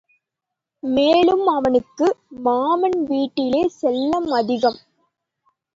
மேலும், அவனுக்கு மாமன் வீட்டிலே செல்லம் அதிகம்.